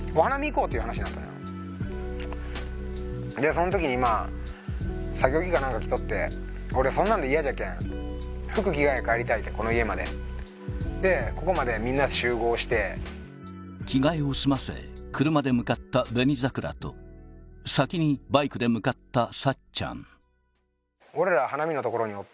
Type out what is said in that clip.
その時に作業着か何か着とって俺そんなんで嫌じゃけんってこの家まででここまでみんなで集合して着替えをすませ車で向かった紅桜と先にバイクで向かったさっちゃん